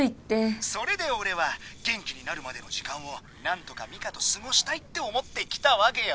それで俺は元気になるまでの時間を何とかミカと過ごしたいって思って来たわけよ。